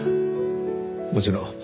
もちろん。